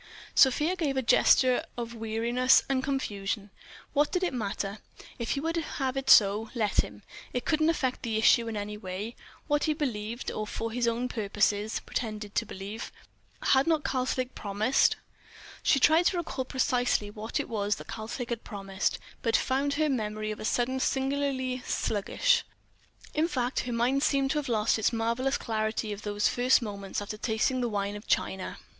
Sofia gave a gesture of weariness and confusion. What did it matter? If he would have it so, let him: it couldn't affect the issue in any way, what he believed, or for his own purposes pretended to believe. Had not Karslake promised ... She tried to recall precisely what it was that Karslake had promised, but found her memory of a sudden singularly sluggish. In fact, her mind seemed to have lost its marvellous clarity of those first moments after tasting the wine of China.